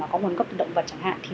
có nguồn gốc từ động vật chẳng hạn